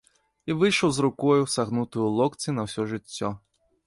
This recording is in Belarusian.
І выйшаў з рукою, сагнутаю ў локці на ўсё жыццё.